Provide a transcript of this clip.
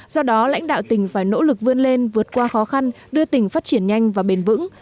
do đó lãnh đạo tỉnh phải nỗ lực vươn lên vượt qua khó khăn đưa tỉnh phát triển nhanh và bền vững